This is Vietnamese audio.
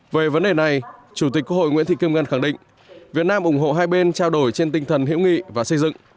về vấn đề này chủ tịch quốc hội nguyễn thị kim ngân khẳng định việt nam ủng hộ hai bên trao đổi trên tinh thần hiểu nghị và xây dựng